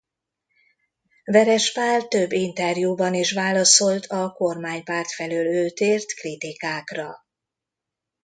Veres Pál több interjúban is válaszolt a kormánypárt felől őt ért kritikákra.